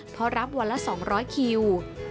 เพราะรับวันละ๒๐๐คิว